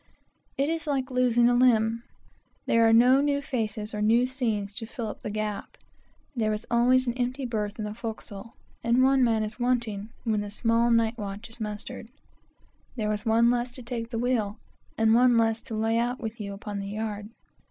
It is like losing a limb. There are no new faces or new scenes to fill up the gap. There is always an empty berth in the forecastle, and one man wanting when the small night watch is mustered. There is one less to take the wheel, and one less to lay out with you upon the yard.